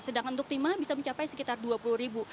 sedangkan untuk timah bisa mencapai sekitar rp dua puluh